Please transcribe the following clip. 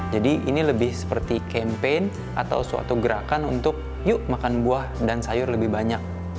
jadi ini lebih seperti campaign atau suatu gerakan untuk yuk makan buah dan sayur lebih banyak